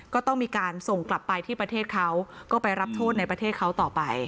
ก็ต้องมีการส่งกลับไปที่ประเทศเขาก็ไปรับโทษในประเทศเขาต่อไป